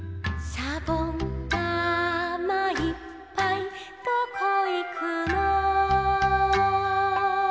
「しゃぼんだまいっぱいどこいくの」